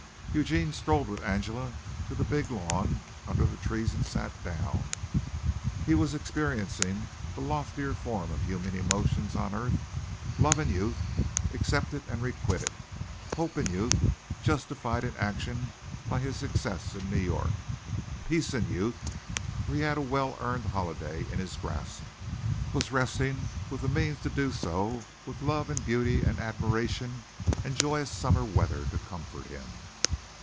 Eugene strolled with Angela to the big lawn under the trees and sat down. He was experiencing the loftiest of human emotions on earth love in youth, accepted and requited, hope in youth, justified in action by his success in New York; peace in youth, for he had a well earned holiday in his grasp, was resting with the means to do so and with love and beauty and admiration and joyous summer weather to comfort him.